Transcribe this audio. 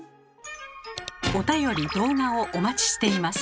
おたより・動画をお待ちしています。